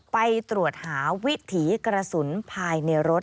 ไปตรวจหาวิถีกระสุนภายในรถ